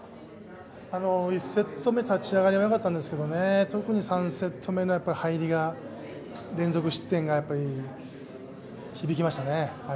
１セット目、立ち上がりはよかったんですけどね、特に３セット目の入りの連続失点が響きましたね。